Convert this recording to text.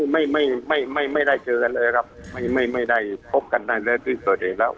ไม่ไม่ไม่ไม่ไม่ได้เจอกันเลยครับไม่ไม่ไม่ได้พบกันได้เลยที่ตัวเองแล้ว